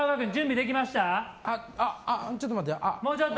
あ、ちょっと待って。